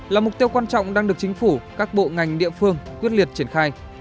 là mục tiêu quan trọng đang được chính phủ các bộ ngành địa phương quyết liệt triển khai